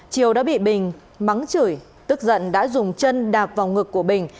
triều đã bị bình mắng chửi tức giận đã dùng chân đạp vào ngực của bình